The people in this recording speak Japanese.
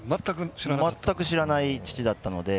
全く知らない父だったので。